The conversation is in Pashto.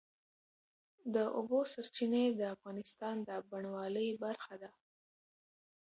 د اوبو سرچینې د افغانستان د بڼوالۍ برخه ده.